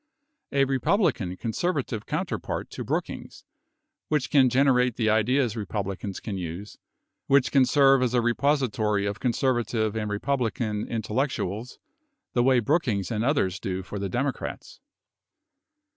A Republican Conservative counterpart to Brook ings, which can generate the ideas Republicans can use, which can serve as a repository of conservative and Republican intel lectuals, the way Brookings and others do for the Democrats.